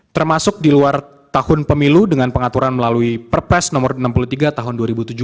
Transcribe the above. termasuk di luar tahun pemilu dengan pengaturan melalui perpres nomor enam puluh tiga tahun dua ribu tujuh belas